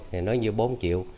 thì nó như bốn triệu